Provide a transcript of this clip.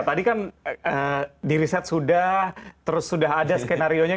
tadi kan di riset sudah terus sudah ada skenario nya